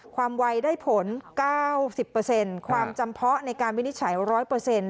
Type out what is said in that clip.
ความวัยได้ผล๙๐เปอร์เซ็นต์ความจำเพาะในการวินิจฉัย๑๐๐เปอร์เซ็นต์